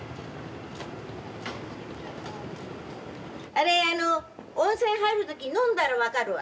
あれあの温泉入る時飲んだら分かるわ。